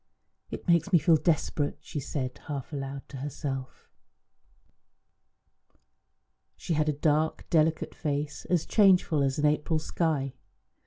"It makes me feel desperate," she said half aloud to herself. She had a dark, delicate face, as changeful as an April sky.